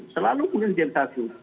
selalu punya jenis satu